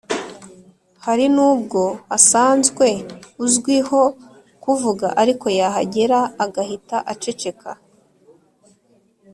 hari n’ubwo asanzwe uzwiho kuvuga ariko yahagera agahita aceceka